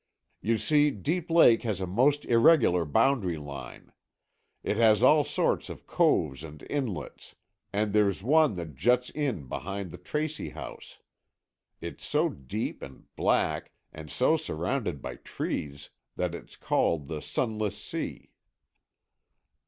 You see, Deep Lake has a most irregular boundary line. It has all sorts of coves and inlets, and there's one that juts in behind the Tracy house. It's so deep and black and so surrounded by trees that it's called the Sunless Sea."